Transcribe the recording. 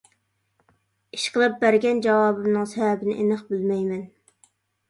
ئىشقىلىپ بەرگەن جاۋابىمنىڭ سەۋەبىنى ئېنىق بىلمەيمەن.